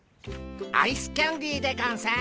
アイスキャンデーでゴンス。